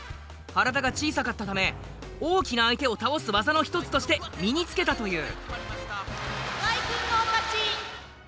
体が小さかったため大きな相手を倒す技の一つとして身につけたという。